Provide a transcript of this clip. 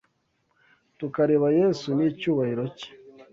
tukareba Yesu n’icyubahiro Cye